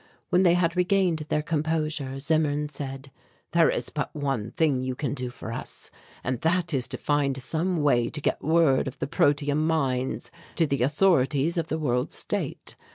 When they had regained their composure Zimmern said: "There is but one thing you can do for us and that is to find some way to get word of the protium mines to the authorities of the World State.